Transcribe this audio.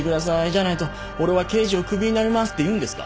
じゃないと俺は刑事を首になりますって言うんですか？